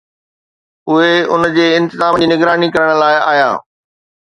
اهي ان جي انتظامن جي نگراني ڪرڻ لاء آيا